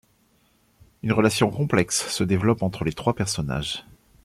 Une relation complexe se développe entre les trois personnages.